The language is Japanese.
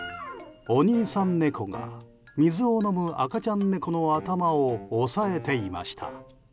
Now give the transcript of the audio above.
お兄さん猫が水を飲む赤ちゃん猫の頭を押さえていました。